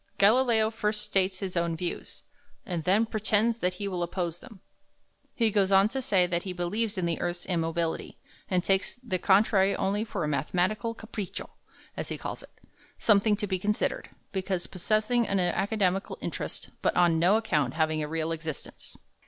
Galileo first states his own views, and then pretends that he will oppose them. He goes on to say that he believes in the earth's immobility, and takes "the contrary only for a mathematical Capriccio," as he calls it; something to be considered, because possessing an academical interest, but on no account having a real existence.